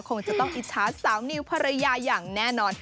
คงจะต้องอิจฉาสาวนิวภรรยาอย่างแน่นอน